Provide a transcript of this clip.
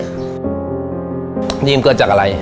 รีมเกิดจากอะไร